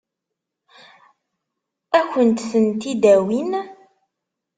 Ad kent-tent-id-awin?